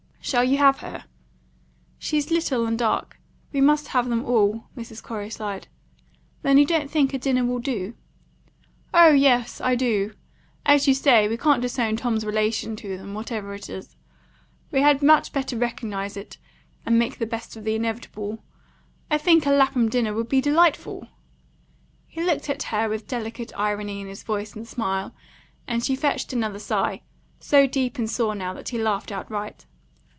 Shall you have her?" "She's little and dark. We must have them all," Mrs. Corey sighed. "Then you don't think a dinner would do?" "Oh yes, I do. As you say, we can't disown Tom's relation to them, whatever it is. We had much better recognise it, and make the best of the inevitable. I think a Lapham dinner would be delightful." He looked at her with delicate irony in his voice and smile, and she fetched another sigh, so deep and sore now that he laughed outright.